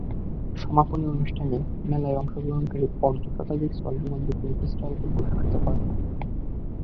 সমাপনী অনুষ্ঠানে মেলায় অংশগ্রহণকারী অর্ধশতাধিক স্টলের মধ্যে তিনটি স্টলকে পুরস্কৃত করা হয়।